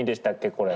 これ？